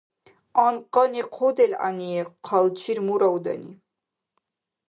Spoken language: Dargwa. Анкъани хъу делгӀани, хъалчир мура удани.